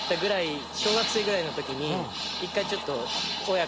小学生ぐらいのときに１回ちょっと。